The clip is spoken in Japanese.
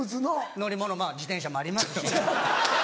乗り物まぁ自転車もありますし。